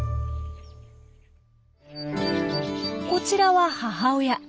こちらは母親。